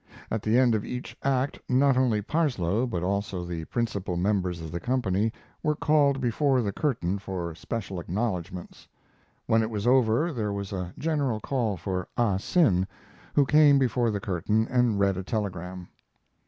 At the end of each act not only Parsloe, but also the principal members of the company, were called before the curtain for special acknowledgments. When it was over there was a general call for Ah Sin, who came before the curtain and read a telegram.